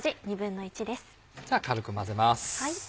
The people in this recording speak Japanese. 軽く混ぜます。